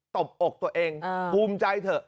บอกตัวเองภูมิใจเถอะ